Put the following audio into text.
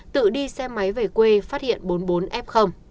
tự đi xe máy về quê phát hiện bốn mươi bốn f